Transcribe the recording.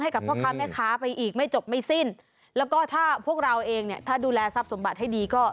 ให้กับพ่อค้าแม่ค้าไปอีกไม่จบไม่สิ้นแล้วก็ถ้าพวกเราเองเนี่ยถ้าดูแลทรัพย์สมบัติให้ดีก็